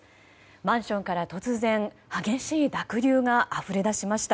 マンションから突然激しい濁流があふれ出しました。